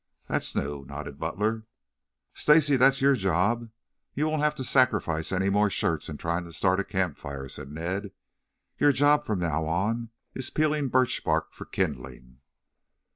"That's new," nodded Butler. "Stacy, there's your job. You won't have to sacrifice any more shirts in trying to start a campfire," said Ned. "Your job, from now on, is peeling birch bark for kindling."